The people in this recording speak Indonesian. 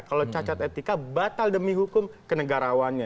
kalau cacat etika batal demi hukum ke negarawannya